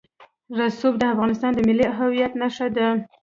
رسوب د افغانستان د ملي هویت نښه ده.